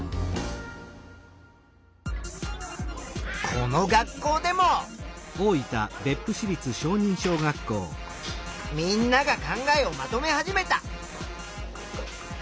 この学校でもみんなが考えをまとめ始めた。